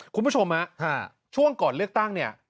คุณผู้ชมฮะช่วงก่อนเลือกตั้งเนี่ย